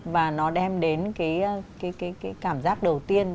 và nó đem đến cái cảm giác đầu tiên